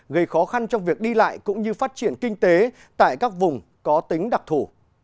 gây khó khăn trong việc đi lại cũng như phát triển kinh tế tại các vùng có tính đặc thủ